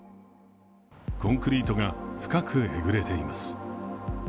コンクリートが深くえぐられています。